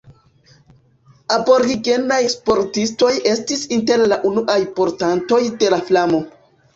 Aborigenaj sportistoj estis inter la unuaj portantoj de la flamo.